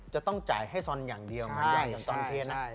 จะต้องจ่ายให้ซอนอย่างเดียวมันยากจนตอนเคน